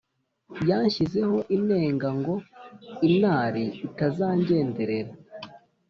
Yanshyizeho inenga ngo Inari itazangenderera